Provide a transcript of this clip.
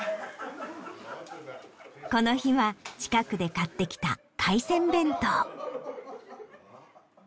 この日は近くで買ってきた海鮮弁当。